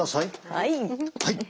はい。